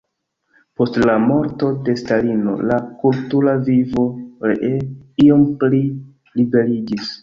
Post la morto de Stalino la kultura vivo ree iom pli liberiĝis.